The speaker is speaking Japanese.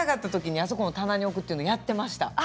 あそこの棚に置くというのをやっていました。